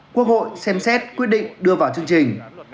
quốc hội xem xét quyết định đưa vào chương trình